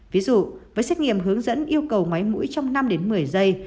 ví dụ với xét nghiệm hướng dẫn yêu cầu ngoáy mũi trong năm một mươi giây